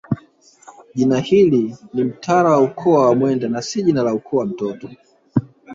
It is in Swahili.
Jina hili ni mtala wa ukoo wa Wamwenda si jina la ukoo wa mtoto